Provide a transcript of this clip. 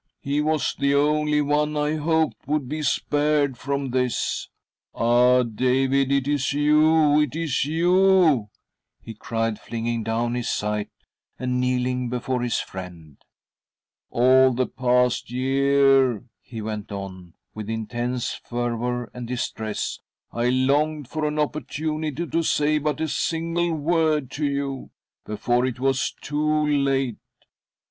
He was the only one I hoped would be spared from this. "Ah, David, it is you, it is you!" he cried, flinging down his scythe, and kneeling before bis friend. " All the past year," he went on, with intense fervour and distress, " I. longed for an opportunity to say but a.single word to you— before it was loo late.